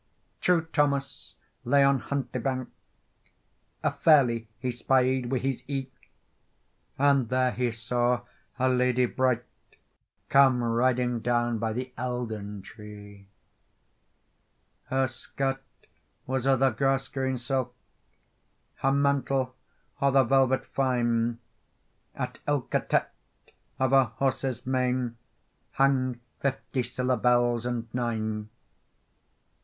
TRUE Thomas lay on Huntlie bank; A ferlie he spied wi' his ee; And there he saw a lady bright, Come riding down by the Eildon Tree. Her skirt was o the grass green silk, Her mantle o the velvet fyne, At ilka tett of her horse's mane Hang fifty siller bells and nine.